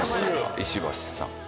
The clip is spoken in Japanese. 石橋さん。